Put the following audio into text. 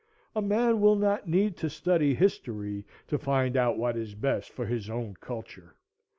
A man will not need to study history to find out what is best for his own culture.